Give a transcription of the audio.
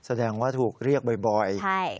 แสดงว่าถูกเรียกบ่อย